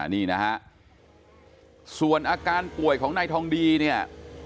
นี่นะฮะส่วนอาการป่วยของนายทองดีเนี่ย